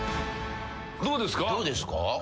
どうですか？